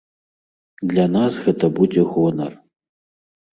Для нас гэта будзе гонар.